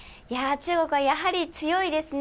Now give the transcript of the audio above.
中国はやはり強いですね。